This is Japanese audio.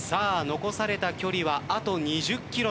残された距離はあと２０ｋｍです。